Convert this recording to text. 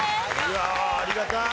いやありがたい！